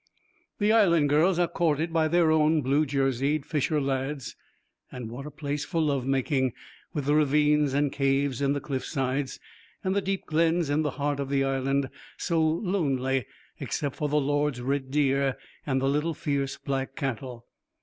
The Island girls are courted by their own blue jerseyed fisher lads and what a place for love making, with the ravines and caves in the cliff sides, and the deep glens in the heart of the Island, so lonely except for the lord's red deer and little fierce black cattle.